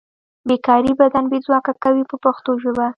بې کاري بدن بې ځواکه کوي په پښتو ژبه.